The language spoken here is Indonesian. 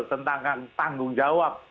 tentang tanggung jawab